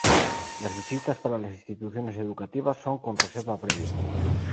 Las visitas para las instituciones educativas son con reserva previa.